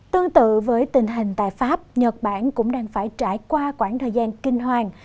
tương tự với tình hình tại pháp nhật bản cũng đang phải trải qua quãng thời gian kinh hoàng